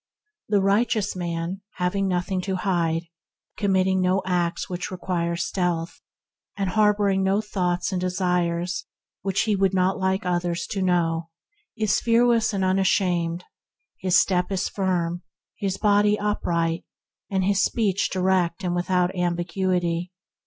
The righteous man, having nothing to hide, committing no acts that require stealth, and harboring no thoughts and desires that he would not like others to know, is fearless and unashamed. His step is firm, his body upright, and his speech direct and without ambiguity.